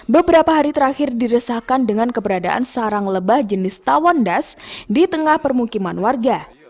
beberapa hari terakhir diresahkan dengan keberadaan sarang lebah jenis tawon das di tengah permukiman warga